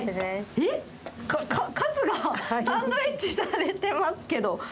えっ、カツがサンドイッチされていますけど。